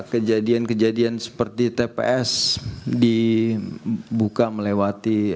kejadian kejadian seperti tps dibuka melewati